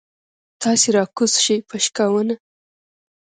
تاسې راکوز شئ پشکاوونه.